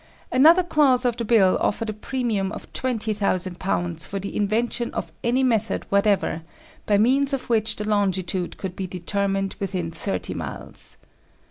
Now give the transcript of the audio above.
Another clause of the bill offered a premium of twenty thousand pounds for the invention of any method whatever, by means of which the longitude could be determined within thirty miles.